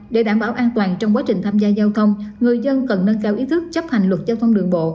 để đảm bảo an toàn trong quá trình tham gia giao thông người dân cần nâng cao ý thức chấp hành luật giao thông đường bộ